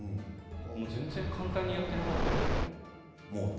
全然、簡単にやっていなかったですよ。